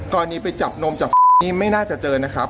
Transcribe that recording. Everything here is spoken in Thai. กรณีไปจับนมจับนี่ไม่น่าจะเจอนะครับ